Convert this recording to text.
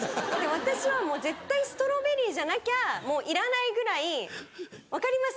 私はもう絶対ストロベリーじゃなきゃいらないぐらい分かります？